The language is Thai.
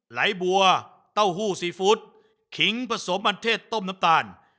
ไหลบัวเต้าหู้ซีฟู้ดขิงผสมอันเทศต้มน้ำตาล